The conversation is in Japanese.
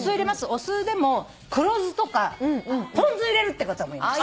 お酢でも黒酢とかポン酢入れるって方もいました。